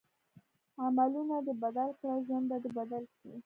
عملونه دې بدل کړه ژوند به دې بدل شي.